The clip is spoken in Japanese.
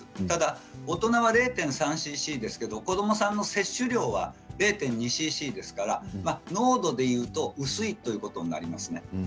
ただ大人は０．３ｃｃですけど子どもさんの接種量は０．２ｃｃですから濃度でいうと薄いということになりますね。